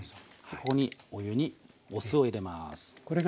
ここにお湯にお酢を入れます。